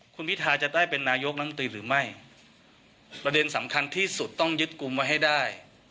คุณพิทาจะได้เป็นนายกรัฐมนตรีหรือไม่ประเด็นสำคัญที่สุดต้องยึดกลุ่มไว้ให้ได้